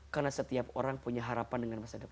karena setiap orang punya harapan dengan masa depan